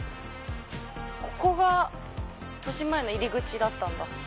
ここがとしまえんの入り口だったんだ。